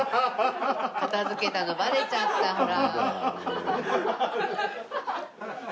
片付けたのバレちゃったんだ。